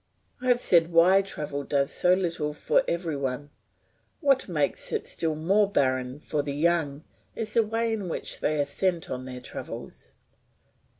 I have said why travel does so little for every one. What makes it still more barren for the young is the way in which they are sent on their travels.